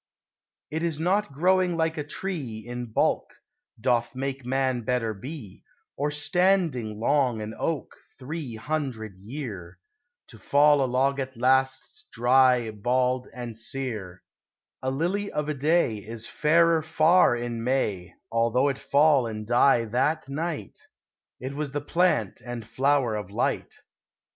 It is not growing like a tree In bulk, doth make Man better be; Or standing long an oak, three hundred year, To fall a log at last, dry, bald, and sere: A lily of a day Is fairer far in May, Although it fall and die that night It was the plant and flower of Light.